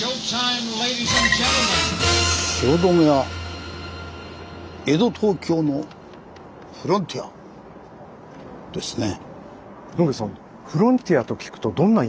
「汐留は江戸東京のフロンティア？」ですね。